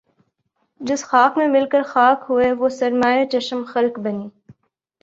جس خاک میں مل کر خاک ہوئے وہ سرمۂ چشم خلق بنی